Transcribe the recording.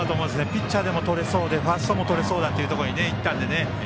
ピッチャーもとれそうでファーストも、とれそうだというところにいったので。